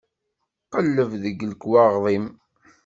Qelleb deg lekwaɣeḍ-im.